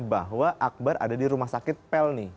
bahwa akbar ada di rumah sakit pelni